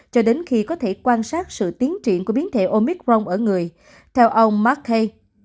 cho đến khi có thể quan sát sự tiến triển của biến thể omicron ở người theo ông market